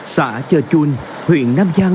xã chơ chun huyện nam giang